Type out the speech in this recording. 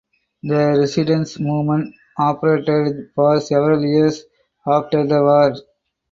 The resistance movement operated for several years after the war.